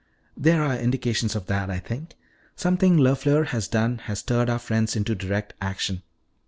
"There are indications of that, I think. Something LeFleur has done has stirred our friends into direct action.